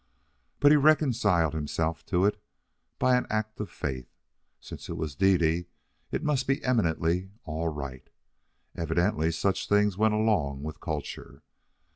But he reconciled himself to it by an act of faith. Since it was Dede, it must be eminently all right. Evidently such things went along with culture.